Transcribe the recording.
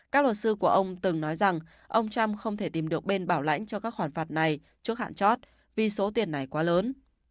các luật sư của ông từng nói rằng ông trump không thể tìm được bên bảo lãnh cho các khoản phạt này trước hạn chót vì số tiền này quá lớn